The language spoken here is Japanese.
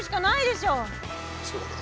そうだな。